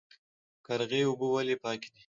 قرغې اوبه ولې پاکې دي؟